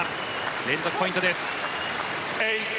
連続ポイントです。